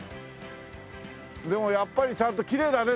でもやっぱりちゃんときれいだね